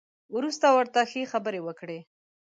وروسته ورته ښې خبرې وکړئ.